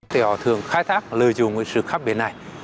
họ thường khai thác lời dùng của sự khác biệt này